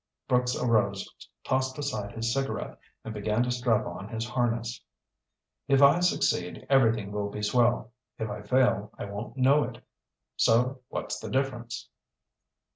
Brooks arose, tossed aside his cigarette and began to strap on his harness. "If I succeed everything will be swell. If I fail, I won't know it. So what's the difference?"